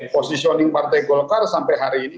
positioning partai golkar sampai hari ini